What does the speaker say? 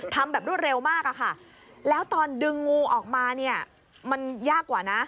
ทำแบบรวดเร็วมากอะค่ะแล้วตอนดึงงูออกมาเนี่ยมันยากกว่านะ